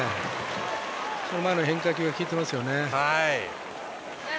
前の変化球効いてますよね。